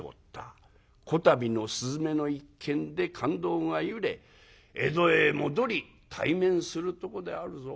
こたびの雀の一件で勘当がゆれ江戸へ戻り対面するとこであるぞ」。